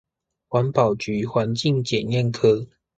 環保局環境檢驗科